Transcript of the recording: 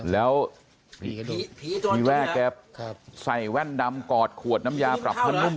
แล้วทีแรกแกใส่แว่นดำกอดขวดน้ำยาปรับผ้านุ่ม